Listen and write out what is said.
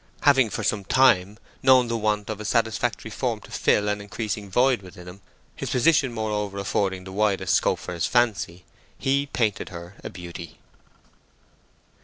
Having for some time known the want of a satisfactory form to fill an increasing void within him, his position moreover affording the widest scope for his fancy, he painted her a beauty.